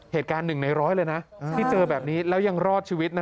เหตุการณ์หนึ่งในร้อยเลยนะที่เจอแบบนี้แล้วยังรอดชีวิตนะ